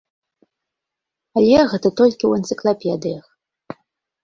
Але гэта толькі ў энцыклапедыях.